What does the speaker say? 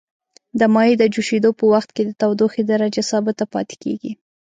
د مایع د جوشیدو په وقت کې د تودوخې درجه ثابته پاتې کیږي.